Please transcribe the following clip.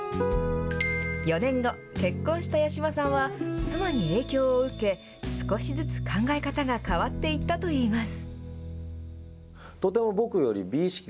４年後、結婚した八嶋さんは妻に影響を受け、少しずつ考え方が変わっていったといいます。